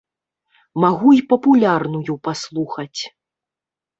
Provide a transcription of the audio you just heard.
Магу і папулярную паслухаць.